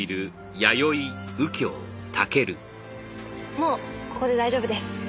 もうここで大丈夫です。